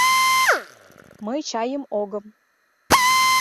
Мый чайым огым.